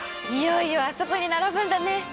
いよいよあそこに並ぶんだね！